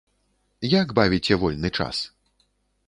Як бавіце вольны час?